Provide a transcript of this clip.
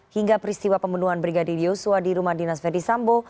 hingga peristiwa pembunuhan brigadir yosua di rumah dinas ferdisambo